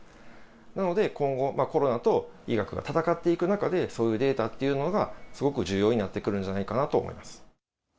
なので今後、コロナと医学が闘っていく中で、そういうデータっていうのがすごく重要になってくるんじゃないかなと思います。